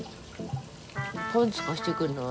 パンツ貸してくれない？